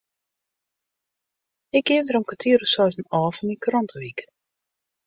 Ik gean der om kertier oer seizen ôf foar myn krantewyk.